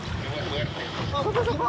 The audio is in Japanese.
そこそこ！